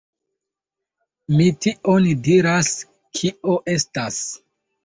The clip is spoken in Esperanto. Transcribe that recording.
Mi tion diras, kio estas.